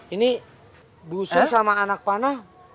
ini busa sama anak panah